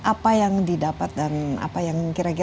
apa yang didapat dan apa yang kira kira